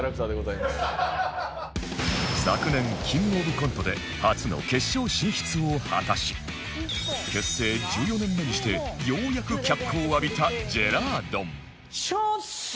昨年キングオブコントで初の決勝進出を果たし結成１４年目にしてようやく脚光を浴びたジェラードン処す！